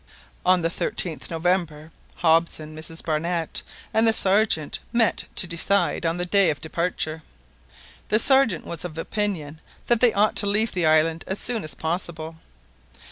On the 13th November, Hobson, Mrs Barnett, and the Sergeant met to decide on the day of departure. The Sergeant was of opinion that they ought to leave the island as soon as possible.